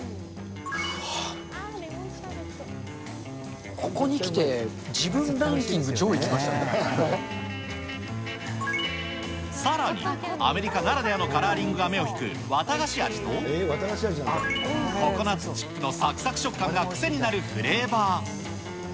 うわっ、ここにきて、さらに、アメリカならではのカラーリングが目を引く綿菓子味と、ココナッツチップのさくさく食感が癖になるフレーバー。